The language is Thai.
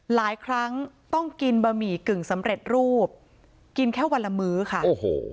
หลายครั้งต้องกินบะหมี่กึ่งสำเร็จรูปกินแค่วันละมื้อค่ะโอ้โห